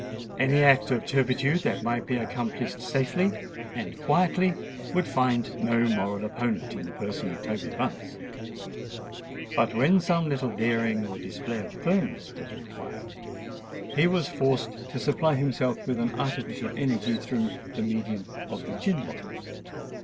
Any act of turpitude that might be accomplished safely and quietly would find no moral opponent in the person of Toby Bunce; but when some little daring or display of firmness was required, he was forced to supply himself with an artificial energy through the medium of the gin bottle.